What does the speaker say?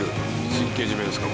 神経締めですか？